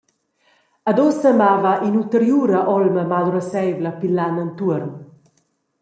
Ed ussa mava in’ulteriura olma malruasseivla pil lan entuorn.